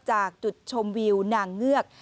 จากจุดชมวิวนางเงือก